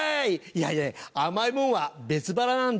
いやいや甘いものは別腹なんで。